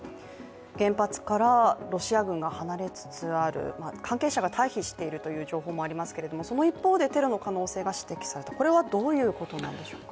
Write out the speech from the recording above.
原発からロシア軍が離れつつある、関係者が退避しているという情報もありますが、その一方でテロの可能性が指摘されている、これはどういうことなのでしょうか？